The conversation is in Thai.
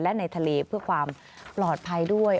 และในทะเลเพื่อความปลอดภัยด้วย